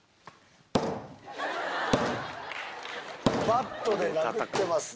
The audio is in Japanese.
バットで殴ってますね。